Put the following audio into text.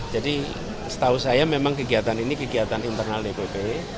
jadi setahu saya memang kegiatan ini kegiatan internal dpp